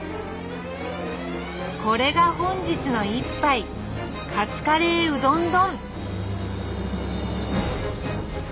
これが本日の一杯「カツカレーうどん丼」！